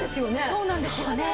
そうなんですよね。